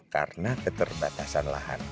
karena keterbatasan lahan